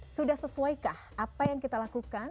sudah sesuaikah apa yang kita lakukan